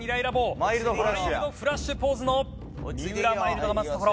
マイルドフラッシュポーズの三浦マイルドが待つところ。